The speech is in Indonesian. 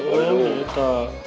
oh ya udah kita